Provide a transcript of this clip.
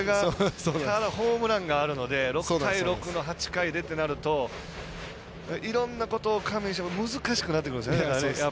ホームランがあるので６対６の８回でってなるといろんなことを加味しても難しくなってくるんですよね。